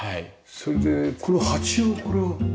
それでこの鉢はこれは。